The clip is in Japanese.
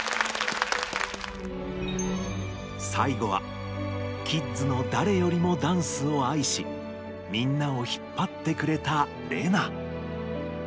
最後はキッズのだれよりもダンスを愛しみんなをひっぱってくれたレナ。